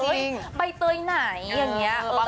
ใบเตยไหนอย่างนี้